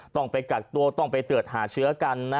ต้องไปกักตัวต้องไปตรวจหาเชื้อกันนะ